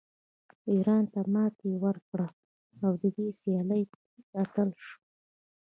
ایران ته ماتې ورکړه او د دې سیالۍ اتله شوه